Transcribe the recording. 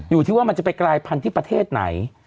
อยู่ที่ว่ามันจะไปกลายพันธุ์ที่ประเทศไหน